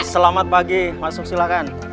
selamat pagi masuk silakan